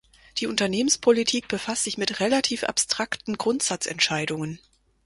Die Unternehmenspolitik befasst sich mit relativ abstrakten Grundsatzentscheidungen.